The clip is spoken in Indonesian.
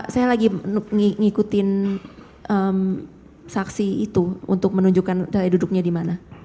saya lagi ngikutin saksi itu untuk menunjukkan saya duduknya di mana